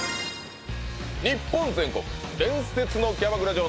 「日本全国伝説のキャバクラ嬢の」